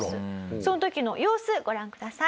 その時の様子ご覧ください。